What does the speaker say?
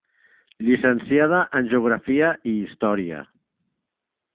Llicenciada en Geografia i Història.